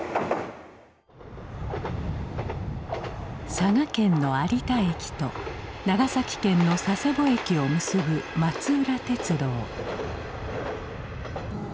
佐賀県の有田駅と長崎県の佐世保駅を結ぶ松浦鉄道。